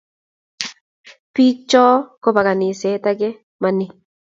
bik cho kobo kaniset ake ma ni